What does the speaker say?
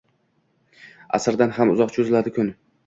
asrdan ham uzoq choʼziladi kun